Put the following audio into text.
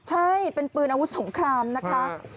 ใช่เป็นปืนอนุมีสต์ถูกต่อสามารถ